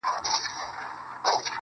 o ستا د ږغ څــپــه ، څـپه ،څپــه نـه ده.